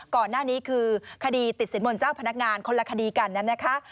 ก่อนหน้านี้คือคดีติดสินบนเจ้าพนักงานคนละคดีกันนั้นนะคะ